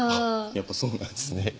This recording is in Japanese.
やっぱそうなんですね